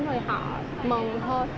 người họ mong thôi